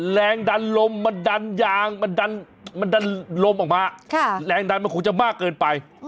แรงดันลมมันดันยางมันดันมันดันลมออกมาแรงดันมันคงจะมากเกินไป